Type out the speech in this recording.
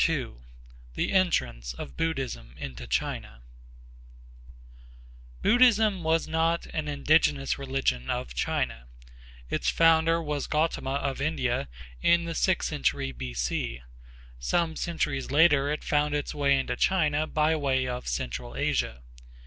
II THE ENTRANCE OF BUDDHISM INTO CHINA Buddhism was not an indigenous religion of China. Its founder was Gautama of India in the sixth century B.C. Some centuries later it found its way into China by way of central Asia.